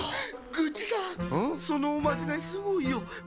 グッチさんそのおまじないすごいよ。